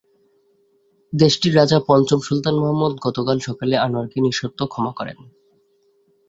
দেশটির রাজা পঞ্চম সুলতান মুহাম্মদ গতকাল সকালে আনোয়ারকে নিঃশর্ত ক্ষমা করেন।